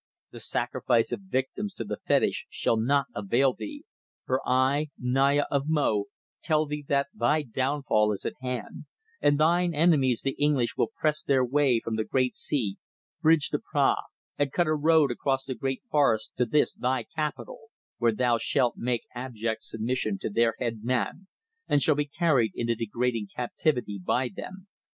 The sacrifice of victims to the fetish shall not avail thee, for I, Naya of Mo, tell thee that thy downfall is at hand, and thine enemies the English will press their way from the great sea, bridge the Prah, and cut a road across the great forest to this thy capital, where thou shalt make abject submission to their head man and shall be carried into degrading captivity by them.